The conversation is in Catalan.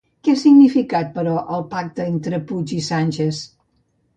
Què ha significat, però, el pacte entre Puig i Sánchez?